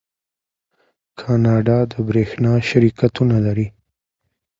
کاناډا د بریښنا شرکتونه لري.